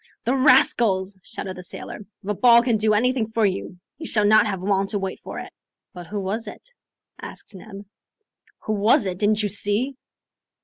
"The rascals!" shouted the sailor. "If a ball can do anything for you, you shall not have long to wait for it. "But who was it?" asked Neb. "Who was it? Didn't you see?"